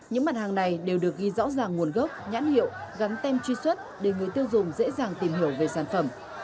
những mặt hàng này đều được ghi rõ ràng nguồn gốc nhãn hiệu gắn tem truy xuất để người tiêu dùng dễ dàng tìm hiểu về sản phẩm